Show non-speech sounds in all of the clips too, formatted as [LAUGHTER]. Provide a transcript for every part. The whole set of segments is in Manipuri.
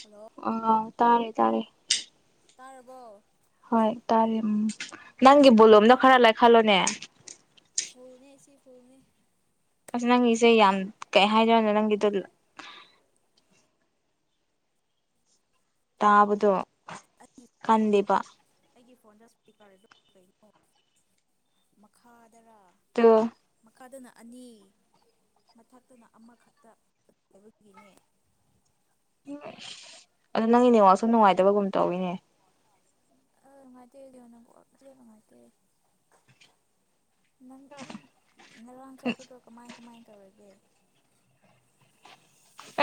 ꯍꯜꯂꯣ ꯑꯥ ꯇꯥꯔꯦ ꯇꯥꯔꯦ ꯇꯥꯔꯕꯣ ꯍꯣꯏ ꯇꯥꯔꯦ ꯎꯝ ꯅꯪꯒꯤ ꯕꯣꯂꯣꯝꯗꯣ ꯈꯔ ꯂꯩꯈꯠꯂꯣꯅꯦ ꯐꯨꯜꯅꯦꯪꯁꯤ ꯐꯨꯜꯅꯦ ꯑꯁ ꯅꯪꯒꯤꯁꯦ ꯌꯥꯝ ꯀꯩ ꯍꯥꯏꯗꯣꯏꯅꯣ ꯅꯪꯒꯤꯗꯣ ꯇꯥꯕꯗꯣ ꯑꯩꯒꯤ ꯐꯣꯟꯗꯣ ꯀꯟꯗꯦꯕ ꯑꯩꯒꯤ ꯐꯣꯟꯗ ꯏꯁꯄꯤꯀꯔ ꯀꯩꯅꯣ ꯃꯈꯥꯗꯔ ꯇꯣ ꯀꯥꯗꯅ ꯑꯅꯤ ꯃꯊꯛꯇꯅ ꯑꯃꯈꯛꯇ ꯂꯩꯕꯒꯤꯅꯦ ꯑꯗ ꯅꯪꯒꯤ ꯅꯦꯠꯋꯛꯥꯛꯁꯤ ꯅꯨꯡꯉꯥꯏꯇꯕꯒꯨꯝ ꯇꯧꯏꯅꯦ ꯑꯥ ꯅꯨꯡꯉꯥꯏꯇꯦ ꯌꯝꯅ ꯀꯣꯛ ꯑꯁꯦ ꯅꯨꯡꯉꯥꯏꯇꯦ ꯅꯪ ꯉꯔꯥꯡ ꯆꯠꯄꯗꯣ ꯀꯃꯥꯏ ꯀꯃꯥꯏ ꯇꯧꯔꯒꯦ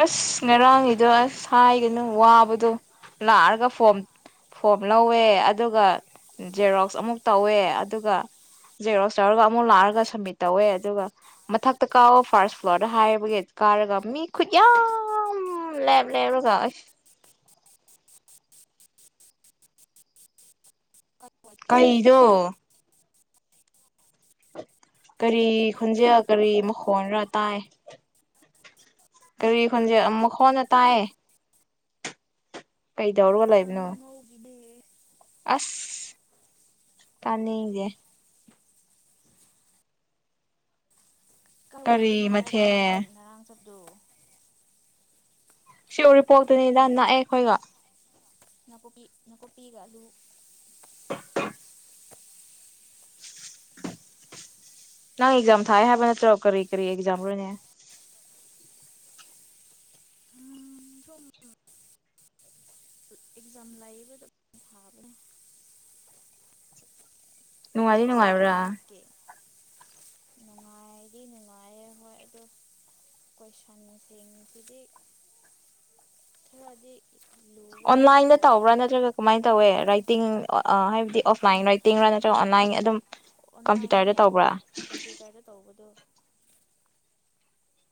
ꯑꯁ ꯉꯔꯥꯡꯒꯤꯗꯣ ꯑꯁ ꯍꯥꯏꯒꯅꯨ ꯋꯥꯕꯗꯣ ꯂꯥꯛꯑꯒ ꯐꯣꯝ ꯐꯣꯝ ꯂꯧꯋꯦ ꯑꯗꯨꯒ ꯖꯦꯔꯣꯛꯁ ꯑꯃꯨꯛ ꯇꯧꯋꯦ ꯑꯗꯨꯒ ꯖꯦꯔꯣꯛꯁ ꯇꯧꯔꯒ ꯑꯃꯨꯛ ꯂꯥꯛꯑꯒ ꯁꯝꯃꯤꯠ ꯇꯧꯋꯦ ꯑꯗꯨꯒ ꯃꯊꯛꯇ ꯀꯥꯋ ꯐꯥꯔꯁ ꯐ꯭ꯂꯣꯔꯗ ꯍꯥꯏꯕꯒꯤ ꯀꯥꯔꯒ ꯃꯤ ꯈꯨꯠꯌꯥꯝ ꯂꯦꯞ ꯂꯦꯞꯂꯒ ꯀꯩꯗꯣ ꯀꯔꯤ ꯈꯣꯟꯖꯦꯜ ꯀꯔꯤ ꯃꯈꯣꯟꯅ ꯇꯥꯏ ꯀꯔꯤ ꯈꯣꯟꯖꯦꯜ ꯃꯈꯣꯟꯅ ꯇꯥꯏ ꯀꯩꯗꯧꯔꯒ ꯂꯩꯏꯕꯅꯣ ꯀꯥꯡꯉꯧ ꯉꯧꯒꯤꯅꯦ ꯑꯁ ꯇꯥꯅꯤꯡꯗꯦ ꯀꯔꯤ ꯀꯥꯏꯋꯥꯏꯗꯅꯣ ꯍꯥꯏꯕꯅꯦ ꯅꯪ ꯃꯊꯦꯜ ꯉꯔꯥꯡ ꯁꯨꯗꯣ ꯁꯤ ꯎꯔꯤꯄꯣꯛꯇꯅꯤꯗ ꯅꯛꯑꯦ ꯑꯩꯈꯣꯏꯒ ꯅꯥꯀꯨꯞꯄꯤ ꯅꯥꯀꯨꯞꯄꯤꯒ ꯑꯂꯨ [INAUDIBLE] ꯅꯪ ꯑꯦꯛꯖꯝ ꯊꯥꯏ ꯍꯥꯏꯕ ꯅꯠꯇ꯭ꯔꯣ ꯀꯔꯤ ꯀꯔꯤ ꯑꯦꯛꯖꯝ ꯔꯣꯅꯦ ꯎꯝ ꯑꯦꯛꯖꯥꯝ ꯂꯩꯕꯗꯣ ꯊꯕꯅꯤ ꯅꯨꯡꯉꯥꯏꯗꯤ ꯅꯨꯡꯉꯥꯏꯕ꯭ꯔꯥ ꯅꯨꯡꯉꯥꯏꯗꯤ ꯅꯨꯡꯉꯥꯏꯌꯦ ꯍꯣꯏ ꯑꯗꯣ ꯀꯣꯏꯁꯟꯁꯤꯡꯁꯤꯗꯤ ꯈꯔꯗꯤ ꯂꯨꯋꯦ ꯑꯣꯟꯂꯥꯏꯟꯗ ꯍꯥꯏꯇꯥꯔꯦ ꯇꯧꯕ꯭ꯔꯥ ꯅꯠꯇ꯭ꯔꯒ ꯀꯃꯥꯏꯅ ꯇꯧꯋꯦ ꯔꯥꯏꯇꯤꯡ ꯑ ꯍꯥꯏ ꯎꯝ ꯑꯣꯐꯂꯥꯏꯟ ꯔꯥꯏꯇꯤꯡꯔꯥ ꯎꯝ ꯅꯠꯇ꯭ꯔꯒ ꯑꯣꯟꯂꯥꯏꯟ ꯑꯗꯨꯝ ꯀꯝꯄ꯭ꯌꯨꯇꯔꯗ ꯑꯣꯟꯂꯥꯏꯟꯅꯦ ꯇꯧꯕ꯭ꯔꯥ ꯀꯝꯄ꯭ꯌꯨꯇꯔꯗ ꯇꯧꯕꯗꯣ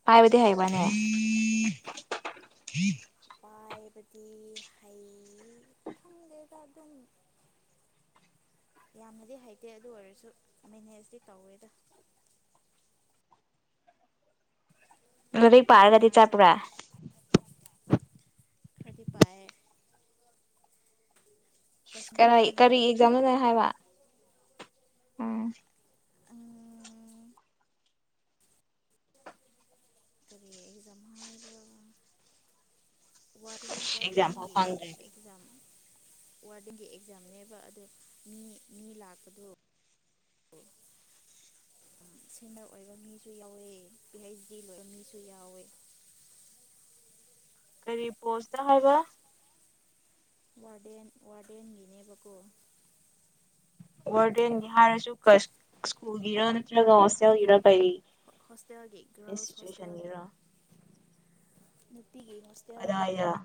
ꯄꯥꯏꯕꯗꯤ ꯍꯩꯕꯅꯦ ꯄꯥꯏꯕꯗꯤ ꯍꯩ ꯈꯪꯗꯦꯗ ꯑꯗꯨꯝ ꯌꯥꯝꯅꯗꯤ ꯍꯩꯇꯦ ꯑꯗꯨ ꯑꯣꯏꯔꯁꯨ ꯃꯦꯅꯦꯖꯇꯤ ꯇꯧꯋꯦꯗ ꯑꯗꯨꯗ ꯄꯔꯒꯗꯤ ꯄꯦꯇꯥꯔꯗꯣ ꯆꯠꯄ꯭ꯔꯥ ꯈꯔꯗꯤ ꯄꯥꯏꯔꯦ ꯀꯔꯥꯏ ꯀꯔꯤ ꯑꯦꯛꯖꯥꯝꯅꯣ ꯍꯥꯏꯕ ꯎꯝ ꯑꯝ ꯀꯔꯤ ꯑꯦꯛꯖꯥꯝ ꯍꯥꯏꯕ꯭ꯔꯕ ꯋꯥꯔꯗꯦꯟ ꯑꯦꯛꯖꯥꯝ ꯐꯥꯎ ꯋꯥꯔꯗꯦꯟꯒꯤ ꯐꯪꯗ꯭ꯔꯤꯗꯣ ꯑꯦꯛꯖꯥꯝ ꯋꯥꯔꯗꯦꯟꯒꯤ ꯑꯦꯛꯖꯥꯝꯅꯦꯕ ꯑꯗꯨ ꯃꯤ ꯃꯤ ꯂꯥꯛꯄꯗꯣ ꯁꯦꯟꯅꯔ ꯑꯣꯏꯕ ꯃꯤꯁꯨ ꯌꯥꯎꯋꯦ ꯄꯤ ꯍꯩꯆ ꯗꯤ ꯂꯣꯏꯕ ꯃꯤꯁꯨ ꯌꯥꯎꯋꯦ ꯀꯔꯤ ꯄꯣꯁꯇ ꯍꯥꯏꯕ ꯋꯥꯔꯗꯦꯟ ꯋꯥꯔꯗꯦꯟꯒꯤꯅꯦꯕꯀꯣ ꯋꯥꯔꯗꯦꯟꯒꯤ ꯍꯥꯏꯔꯁꯨ ꯀ ꯁ꯭ꯀꯨꯜꯒꯤꯔ ꯅꯠꯇ꯭ꯔꯒ ꯍꯣꯁꯇꯦꯜꯒꯤꯔ ꯀꯩ ꯍꯣꯁꯇꯦꯜꯒꯤ ꯒꯔꯜꯁ ꯍꯣꯁꯇꯦꯜꯒꯤ ꯏꯟꯁꯇꯤꯇ꯭ꯌꯨꯁꯟꯒꯤꯔ [INAUDIBLE] ꯄꯤꯒꯤ ꯀꯗꯥꯏꯗ ꯍꯣꯁꯇꯦꯜꯒꯤꯅꯦꯕ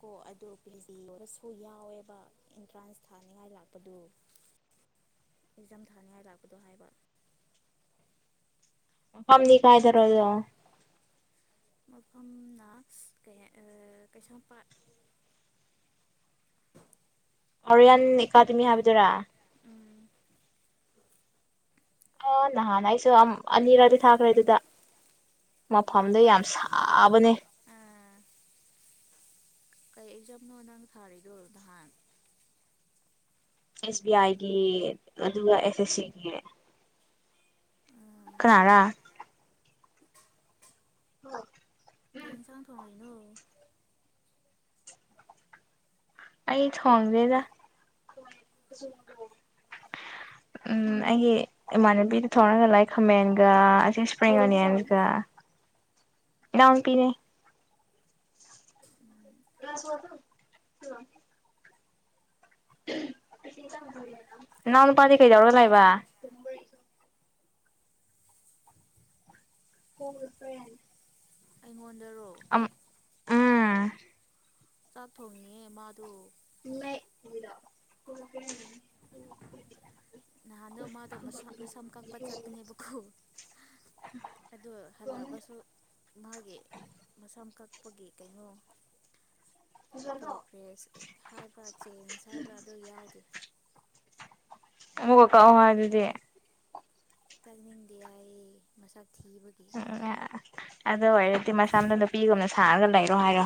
ꯀꯣ ꯑꯗꯨ ꯄꯦ ꯖꯤ ꯑꯣꯏꯔꯁꯨ ꯌꯥꯎꯋꯦꯕ ꯑꯦꯟꯇ꯭ꯔꯥꯟꯁ ꯊꯥꯅꯤꯡꯉꯥꯏ ꯂꯥꯛꯄꯗꯨ ꯑꯦꯛꯖꯥꯝ ꯊꯥꯅꯤꯡꯉꯥꯏ ꯂꯥꯛꯄꯗꯣ ꯍꯥꯏꯕ ꯐꯝꯗꯤ ꯀꯥꯏꯗꯔꯣ ꯆꯍꯤ ꯑꯗꯣ ꯃꯐꯝꯅ ꯀꯩ Keishampat Orion airport academy airport ꯍꯥꯏꯕꯗꯨꯔꯥ ꯎꯝ ꯑꯥ ꯅꯍꯥꯟ ꯑꯩꯁꯨ ꯑꯝ ꯑꯅꯤꯔꯛꯇꯤ ꯊꯥꯈ꯭ꯔꯦ ꯑꯗꯨꯗ ꯃꯐꯝꯗ ꯅꯨꯡꯉꯥꯏꯕ꯭ꯔꯥ ꯌꯥꯝ ꯁꯥꯕꯅꯦ ꯑꯥ ꯀꯩ ꯑꯦꯛꯖꯝꯅꯣ ꯅꯪ ꯊꯥꯔꯤꯗꯣ ꯅꯍꯥꯟ ꯑꯦꯁ ꯕꯤ ꯑꯥꯏꯒꯤ ꯑꯗꯨꯒ ꯑꯦꯁ ꯑꯦꯁ ꯁꯤꯒꯤ ꯑꯥ ꯀꯥꯅꯔꯥ ꯑꯥ ꯀꯩ ꯌꯦꯟꯁꯥꯡ ꯊꯣꯡꯔꯤꯅꯣ ꯑꯩ ꯊꯣꯡꯗꯦꯗ ꯎꯝ ꯑꯩꯒꯤ ꯏꯃꯥꯟꯅꯕꯤꯗ ꯊꯣꯡꯉꯒ ꯂꯥꯏ ꯈꯥꯃꯦꯟꯒ ꯑꯁꯤ ꯏꯁꯄ꯭ꯔꯤꯡ ꯑꯣꯅꯤꯌꯟꯁꯒ ꯏꯅꯥꯎꯅꯨꯄꯤꯅꯦ ꯒ꯭ꯥꯂꯁ ꯋꯥꯠꯄ꯭ꯔ ꯅꯥꯎꯅꯨꯄꯥꯥꯗꯤ ꯀꯩꯗꯧꯔ ꯂꯩꯕꯥ [UNINTELLIGIBLE] ꯑꯩꯉꯣꯟꯗ ꯑꯝ ꯎꯝ ꯆꯥꯛ ꯊꯣꯡꯉꯤꯌꯦ ꯃꯥꯗꯨ [UNINTELLIGIBLE] ꯅꯍꯥꯟꯗꯣ ꯃꯥꯗꯣ ꯃꯁ ꯃꯁꯝ ꯀꯛꯄ ꯆꯠꯄꯅꯦꯕꯀꯣ ꯑꯗꯣ ꯍꯜꯂꯒꯁꯨ ꯃꯥꯒꯤ ꯃꯁꯝ ꯀꯛꯄꯒꯤ ꯀꯩꯅꯣ ꯄ꯭ꯔꯣꯒ꯭ꯔꯦꯁ ꯍꯥꯏꯕ꯭ꯔꯥ ꯆꯦꯟꯖ ꯍꯥꯏꯕ꯭ꯔꯥ ꯑꯗꯣ ꯌꯥꯎꯗꯦ ꯑꯃꯨꯒ ꯀꯛꯑꯣ ꯍꯥꯏꯌꯣ ꯑꯗꯨꯗꯤ ꯀꯛꯅꯤꯡꯗꯦ ꯍꯥꯏꯌꯦ ꯃꯁꯝ ꯑ ꯑ ꯑꯦ ꯑꯥ ꯑꯗꯨ ꯑꯣꯏꯔꯗꯤ ꯃꯁꯝꯗꯣ ꯅꯨꯄꯤꯒꯨꯝꯅ ꯁꯥꯔꯒ ꯂꯩ ꯑꯗꯣ ꯍꯥꯏꯔꯣ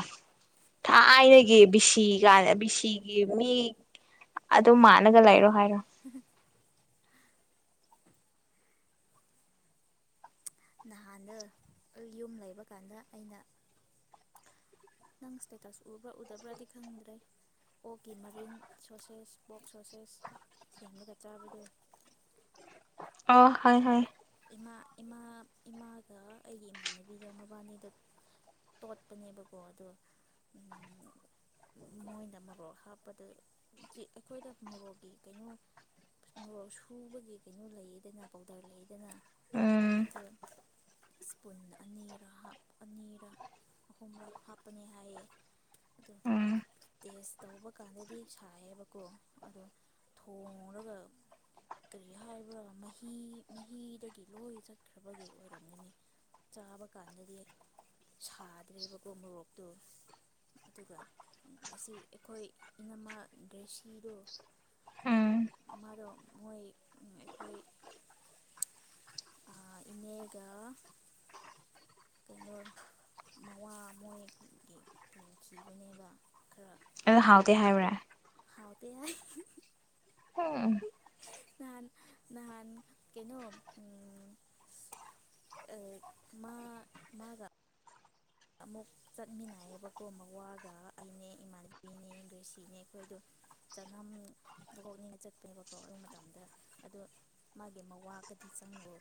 ꯊꯥꯏꯅꯒꯤ ꯕꯤꯁꯤꯒ ꯀꯥꯟꯗ ꯕꯤꯁꯤꯒꯤ ꯃꯤ ꯑꯗꯨ ꯃꯥꯟꯕ꯭ꯔꯣ ꯅꯪꯒ ꯂꯩꯔꯣ ꯍꯥꯏꯔꯣ ꯅꯍꯥꯟꯗꯣ ꯑꯩ ꯌꯨꯝ ꯂꯩꯕ ꯀꯥꯟꯗ ꯑꯩꯅ ꯅꯪ ꯏꯁꯇꯦꯇꯁ ꯎꯕ꯭ꯔꯥ ꯎꯗꯕ꯭ꯔꯥꯗꯤ ꯈꯪꯗ꯭ꯔꯦ ꯑꯣꯛꯀꯤ ꯃꯔꯤꯟ ꯁꯣꯁꯦꯁ ꯕꯣꯛ ꯁꯣꯁꯦꯁ ꯁꯦꯝꯂꯒ ꯆꯥꯕꯗꯣ ꯑꯣ ꯈꯪꯉꯦ ꯈꯪꯉꯦ ꯏꯃꯥ ꯏꯃꯥ ꯏꯃꯥꯒ ꯑꯩꯒꯤ ꯏꯃꯥꯟꯅꯕꯤꯒ ꯃꯕꯥꯅꯤꯗꯣ ꯇꯣꯠꯄꯅꯦꯕꯀꯣ ꯑꯗꯣ ꯃꯣꯏꯅ ꯃꯣꯔꯣꯛ ꯍꯥꯞꯄꯗ ꯒꯤ ꯑꯩꯈꯣꯏꯗ ꯃꯣꯔꯣꯛꯀꯤ ꯀꯩꯅꯣ ꯃꯣꯔꯣꯛ ꯁꯨꯕꯒꯤ ꯀꯩꯅꯣ ꯂꯩꯌꯦꯗꯅ ꯄꯥꯎꯗꯔ ꯂꯩ ꯗꯅ ꯎꯝ ꯑꯗꯨ ꯏꯁꯄꯨꯟ ꯑꯅꯤꯔ ꯑꯅꯤꯔ ꯑꯍꯨꯝꯔ ꯍꯥꯞꯄꯅꯤ ꯍꯥꯏꯌꯦ ꯑꯗꯣ ꯎꯝ ꯇꯦꯁ ꯇꯧꯕ ꯀꯥꯟꯗꯗꯤ ꯁꯥꯏꯌꯦꯕꯀꯣ ꯑꯗꯣ ꯊꯣꯡꯂꯒ ꯀꯔꯤ ꯍꯥꯏꯕ꯭ꯔꯥ ꯃꯍꯤ ꯃꯍꯤꯗꯒꯤ ꯂꯣꯏ ꯆꯠꯈ꯭ꯔꯕꯒꯤ ꯑꯣꯏꯔꯝꯒꯅꯤ ꯆꯥꯕ ꯀꯥꯟꯗꯗꯤ ꯁꯥꯗ꯭ꯔꯦꯕꯀꯣ ꯃꯣꯔꯣꯛꯇꯣ ꯑꯗꯨꯒ ꯑꯁꯤ ꯑꯩꯈꯣꯏ ꯏꯅꯝꯃꯥ ꯒ꯭ꯔꯦꯁꯤꯗꯣ ꯎꯝ ꯃꯥꯗꯣ ꯃꯣꯏ ꯑꯩꯈꯣꯏ ꯑꯥ ꯏꯅꯦꯒ ꯀꯩꯅꯣ ꯃꯋꯥ ꯃꯣꯏꯒꯤ ꯄꯨꯈꯤꯕꯅꯦꯕ ꯈꯔ ꯑ ꯍꯥꯎꯇꯦ ꯍꯥꯏꯕ꯭ꯔꯦ ꯍꯥꯎꯇꯦ ꯍꯥꯏ ꯍꯨꯝꯎꯝ ꯅꯍꯥꯟ ꯅꯍꯥꯟ ꯀꯩꯅꯣ ꯑꯪ ꯃꯥ ꯃꯥꯒꯥ ꯑꯃꯨꯛ ꯆꯠꯃꯤꯟꯅꯩꯌꯦꯕꯀꯣ ꯃꯋꯥꯒ ꯑꯩꯅꯦ ꯏꯃꯥꯟꯅꯕꯤꯅꯦ ꯒ꯭ꯔꯤꯁꯤꯅꯦ ꯑꯩꯈꯣꯏꯗꯣ ꯆꯠꯅꯝꯗ ꯍꯣꯡꯉꯦꯅ ꯆꯠꯄꯅꯦꯕꯀꯣ ꯑꯗꯨ ꯃꯇꯝꯗ ꯑꯗꯨ ꯃꯥꯒꯤ ꯃꯋꯥꯒꯗꯤ ꯆꯪꯉꯑꯣ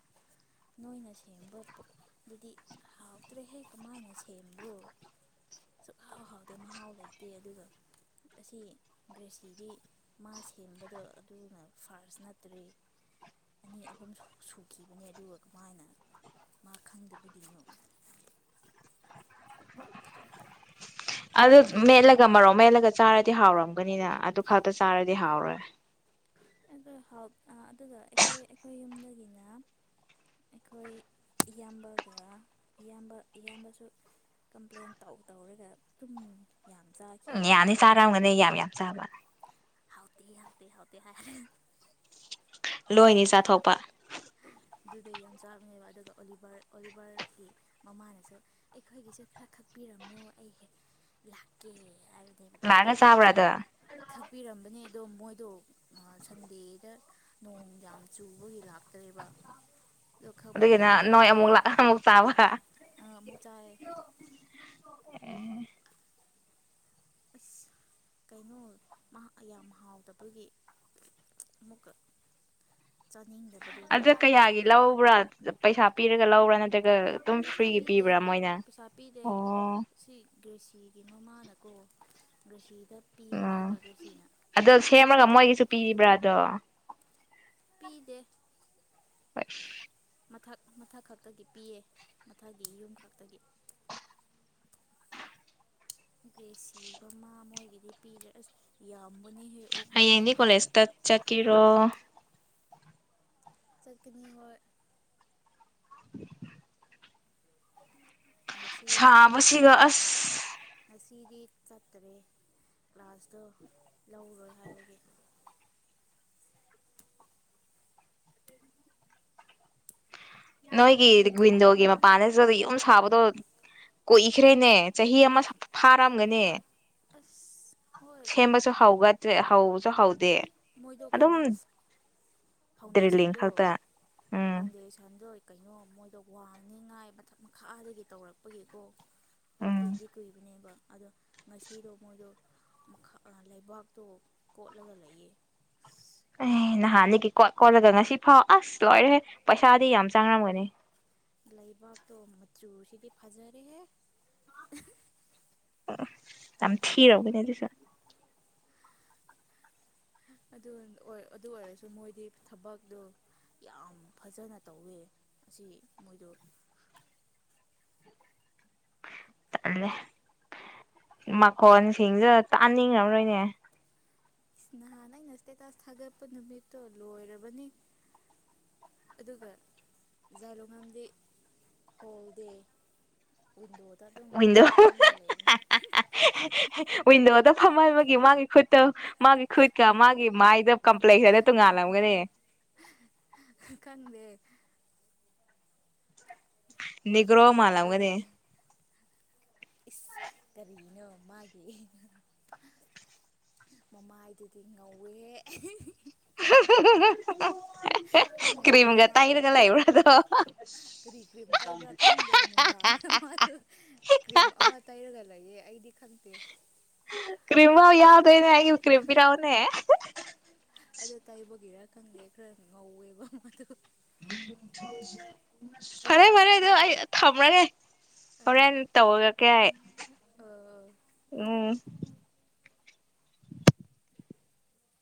ꯅꯣꯏꯅ ꯁꯦꯝꯕ ꯄꯣꯛꯇꯨꯗꯤ ꯍꯥꯎꯇ꯭ꯔꯦꯍꯦ ꯀꯃꯥꯏꯅ ꯁꯦꯝ ꯁꯦꯝꯕ꯭ꯔꯣ ꯁꯨꯛ ꯍꯥꯎ ꯍꯥꯎꯗꯦ ꯃꯍꯥꯎ ꯂꯩꯇꯦ ꯑꯗꯨꯒ ꯑꯁꯤ ꯒ꯭ꯔꯦꯁꯤꯒꯤ ꯃꯥ ꯁꯦꯝꯕꯗꯣ ꯑꯗꯨꯅ ꯐꯥꯔꯁ ꯅꯠꯇ꯭ꯔꯦ ꯑꯅꯤ ꯑꯍꯨꯝ ꯁꯨꯈꯤꯕꯅꯦ ꯑꯗꯨꯒ ꯀꯃꯥꯏꯅ ꯃꯥ ꯈꯪꯗꯕꯒꯤꯅꯣ ꯑꯗꯨ ꯃꯦꯠꯂꯒ ꯃꯔꯣꯛ ꯃꯦꯠꯂꯒ ꯆꯥꯔꯗꯤ ꯍꯥꯎꯔꯝꯒꯅꯤꯅ ꯑꯗꯨ ꯈꯛꯇ ꯆꯥꯔꯗꯤ ꯍꯥꯎꯔꯣꯏ ꯑꯗꯨ ꯑꯗꯨꯒ ꯑꯩꯈꯣꯏ ꯑꯩꯈꯣꯏ ꯌꯨꯝꯗꯒꯤꯅ ꯑꯩꯈꯣꯏ ꯏꯌꯥꯝꯕꯒ ꯏꯌꯥꯝꯕ ꯏꯌꯥꯝꯕꯁꯨ ꯇꯨꯝꯃꯨ ꯌꯥꯝ ꯆꯥꯈꯤ ꯌꯥꯅꯤ ꯃꯥꯁꯨ ꯆꯥꯔꯝꯒꯅꯤ ꯌꯥꯝ ꯌꯥꯝ ꯆꯥꯕ ꯍꯥꯎꯇꯦ ꯍꯥꯎꯇꯦ ꯍꯥꯎꯇꯦ ꯍꯥꯏ ꯂꯣꯏꯅꯤ ꯆꯥꯊꯣꯛꯄ ꯑꯗꯨꯗꯩ ꯌꯥꯝ ꯆꯥꯕꯅꯦꯕ ꯑꯗꯨꯒ ꯑꯣꯂꯤꯚꯔ ꯑꯣꯂꯤꯚꯔꯒꯤ ꯃꯃꯥꯅꯁꯨ ꯑꯩꯈꯣꯏꯒꯤꯁꯨ ꯈꯔ ꯈꯛꯄꯤꯔꯝꯃꯣ ꯑꯩ ꯍꯦꯛ ꯂꯥꯛꯀꯦ ꯍꯥꯏꯕ ꯂꯥꯛꯑꯒ ꯆꯥꯕ꯭ꯔꯥ ꯑꯗꯣ ꯇꯥꯛꯄꯤꯔꯝꯕꯅꯦ ꯑꯗꯣ ꯃꯣꯏꯗꯣ ꯁꯟꯗꯦꯗ ꯅꯣꯡ ꯌꯥꯝ ꯆꯨꯕꯒꯤ ꯂꯥꯛꯇ꯭ꯔꯦꯕ ꯑꯗꯣ ꯑꯗꯨꯒꯤꯅ ꯈꯛꯄꯤꯔꯝꯕꯗꯣ ꯅꯣꯏ ꯑꯃꯨꯛ ꯂꯥꯛꯑ ꯑꯃꯨꯛ ꯆꯥꯕ ꯑꯃꯨꯛ ꯆꯥꯏ ꯑꯁ ꯀꯩꯅꯣ ꯌꯥꯝ ꯍꯥꯎꯇꯕꯒꯤ ꯑꯃꯨꯛꯀ ꯆꯥꯅꯤꯡꯗꯕꯗꯨ ꯑꯗ ꯀꯌꯥꯒꯤ ꯂꯧꯕ꯭ꯔꯥ ꯄꯩꯁꯥ ꯄꯤꯔꯒ ꯂꯧꯕ꯭ꯔꯥ ꯅꯠꯇ꯭ꯔꯒ ꯑꯥ ꯑꯗꯨꯝ ꯄꯩꯁꯥ ꯐ꯭ꯔꯤꯒꯤ ꯄꯤꯗꯦ ꯄꯤꯕ꯭ꯔꯥ ꯃꯣꯏꯅ ꯄꯩꯁꯥ ꯄꯤꯗꯦ ꯑꯣ ꯁꯤ ꯒ꯭ꯔꯦꯁꯤꯒꯤ ꯃꯃꯥꯅꯀꯣ ꯒ꯭ꯔꯦꯁꯤ ꯎꯝ ꯑꯗꯣ ꯁꯦꯝꯃꯒ ꯃꯣꯏꯒꯤꯁꯨ ꯄꯤꯕ꯭ꯔꯥꯗꯣ ꯄꯤꯗꯦ ꯍꯣꯏ ꯃꯊꯛ ꯃꯊꯛ ꯈꯛꯇꯒꯤ ꯄꯤꯌꯦ ꯃꯊꯛꯀꯤ ꯌꯨꯝ ꯈꯛꯇꯒꯤ ꯒ꯭ꯔꯦꯁꯤ ꯃꯃꯥ ꯃꯣꯏꯒꯤꯗꯤ ꯄꯤꯗ꯭ꯔꯦ ꯑꯁ ꯌꯥꯝ ꯍꯌꯦꯡꯗꯤ ꯀꯣꯂꯦꯖꯇ ꯆꯠꯀꯤꯔꯣ ꯆꯠꯀꯅꯤ ꯍꯣꯏ [INAUDIBLE] ꯉꯁꯤ ꯁꯥꯕꯁꯤꯒ ꯑꯁ ꯗꯤ ꯆꯠꯇꯔꯦ ꯀ꯭ꯂꯥꯁꯇꯣ ꯂꯧꯔꯣꯏ ꯍꯥꯏꯕꯒꯤ ꯅꯣꯏꯒꯤ ꯋꯤꯟꯗꯣꯒꯤ ꯃꯄꯥꯟꯅ ꯗ ꯌꯨꯝ ꯁꯥꯕꯗꯣ ꯀꯨꯏꯈ꯭ꯔꯦꯅꯦ ꯆꯍꯤ ꯑꯃ ꯐꯥꯔꯝꯒꯅꯤ ꯑꯁ ꯍꯣꯏ ꯁꯦꯝꯕꯁꯨ ꯍꯧꯒꯗ꯭ꯔꯤ ꯍꯧꯕꯁꯨ ꯍꯧ ꯃꯣꯏꯗꯣ ꯀꯩꯅꯣ ꯗ꯭ꯔꯤꯂꯤꯡ ꯐꯥꯎꯟꯗꯦꯁꯟꯗꯣ ꯈꯛꯇ ꯎꯝ ꯐꯥꯎꯟꯗꯦꯁꯟꯗꯣ ꯀꯩꯅꯣ ꯃꯣꯏꯗꯣ ꯋꯥꯡꯅꯤꯉꯥꯏ ꯃꯊꯛ ꯃꯈꯥꯗꯒꯤ ꯇꯧꯔꯛꯄꯒꯤꯀꯣ ꯎꯝ ꯀꯨꯏꯗꯤ ꯀꯨꯏꯕꯅꯦꯕ ꯑꯗꯣ ꯉꯁꯤꯗꯣ ꯃꯣꯏꯗꯣ ꯃꯈꯥ ꯑꯥ ꯂꯩꯕꯥꯛꯇꯣ ꯀꯣꯠꯂꯒ ꯂꯩꯌꯦ ꯑꯩ ꯅꯍꯥꯟꯗꯒꯤ ꯀꯣꯠ ꯀꯣꯠꯂꯒ ꯉꯁꯤ ꯐꯥꯎ ꯑꯁ ꯂꯣꯏꯔꯦ ꯄꯩꯁꯥꯗꯤ ꯌꯥꯝ ꯆꯥꯡꯔꯝꯒꯅꯤ ꯂꯩꯕꯥꯛꯇꯣ ꯃꯆꯨꯁꯤꯗꯤ ꯐꯖꯔꯦꯍꯦ ꯑꯍ ꯑꯝ ꯌꯥꯝ ꯊꯤꯔꯕꯅꯦ ꯑꯗꯨꯁꯨ ꯑꯗꯨꯟ ꯍꯣꯢ ꯑꯗꯨ ꯑꯣꯏꯔꯁꯨ ꯃꯣꯏꯗꯤ ꯊꯕꯛꯇꯣ ꯌꯥꯝ ꯐꯖꯅ ꯇꯧꯋꯦ ꯑꯁꯤ ꯃꯣꯏꯗꯣ ꯇꯜꯂꯦ ꯃꯈꯣꯟꯁꯤꯡꯁꯨ ꯇꯥꯅꯤꯡꯉꯝꯔꯣꯢꯅꯦ ꯏꯁ ꯅꯍꯥꯟ ꯑꯩꯅ ꯁ꯭ꯇꯦꯇꯁ ꯊꯥꯒꯠꯄ ꯅꯨꯃꯤꯠꯇꯣ ꯂꯣꯏꯔꯕꯅꯤ ꯑꯗꯨꯒ ꯖꯥꯏꯂꯨꯡꯉꯝꯗꯤ ꯍꯣꯜ ꯗꯦ ꯋꯤꯟꯗꯣ ꯋꯤꯟꯗꯣ ꯍꯨ ꯍꯨ ꯍꯨ ꯍꯥ ꯍꯥ ꯍꯥ ꯍꯦ ꯍꯦ ꯋꯤꯟꯗꯣꯗꯣ ꯐꯝꯃꯣ ꯍꯥꯏꯕꯒꯤ ꯃꯥꯥꯒꯤ ꯈꯨꯠ ꯇꯣ ꯃꯥꯒꯤ ꯈꯨꯠꯀ ꯃꯥꯒꯤ ꯃꯥꯏꯒ ꯀꯝꯄ꯭ꯂꯦꯛꯁꯟꯗꯣ ꯇꯣꯉꯥꯜꯂꯝꯒꯅꯤ ꯈꯪꯗꯦ ꯋꯥꯏ ꯅꯤꯒ꯭ꯔꯣ ꯐꯥꯏ ꯃꯥꯂꯝꯒꯅꯤ ꯐꯪꯕꯒꯤ ꯏꯁ ꯀꯔꯤꯅꯣ ꯃꯥꯒꯤ ꯍ ꯃꯃꯥꯏꯗꯨꯗꯤ ꯉꯧꯋꯦꯍꯦ ꯑꯍꯤ ꯍꯤ ꯍꯤ ꯑꯍꯝ ꯍꯨꯝ ꯍꯨ ꯈꯔ ꯍꯨ ꯉꯧꯔꯦ ꯃꯥ ꯍꯨ ꯀ꯭ꯔꯤꯝꯒ ꯇꯩꯔꯒ ꯂꯩꯕꯗꯣ ꯀꯔꯤ ꯀ꯭ꯔꯤꯝ ꯑꯥ ꯇꯩꯕ꯭ꯔꯥ ꯈꯪꯗꯦ ꯍꯥ ꯅꯨꯡꯗꯥꯡꯗ ꯍꯥ ꯃꯥꯗꯣ ꯍꯥ ꯍꯥ ꯍꯥ ꯍꯥ ꯑꯩꯥꯗꯤ ꯈꯪꯗꯦ ꯀ꯭ꯔꯤꯝꯐꯥꯎ ꯌꯥꯎꯗꯦꯅꯦ ꯑꯩꯒꯤ ꯀ꯭ꯔꯤꯝ ꯄꯤꯔꯛꯎꯅꯦ ꯍꯥ ꯑꯗꯣ ꯇꯥꯏꯕꯒꯤꯔ ꯈꯪꯗꯦ ꯈꯔ ꯉꯧꯋꯦꯕ ꯃꯗꯨ ꯐꯔꯦ [UNINTELLIGIBLE] ꯗꯨ ꯑꯩ ꯊꯝꯔꯒꯦ ꯑ ꯍꯣꯔꯦꯟ ꯇꯧꯔꯛꯀꯦ ꯍꯥꯏꯌꯦ ꯑ ꯎꯝ